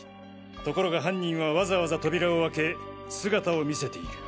ところが犯人はわざわざ扉を開け姿を見せている。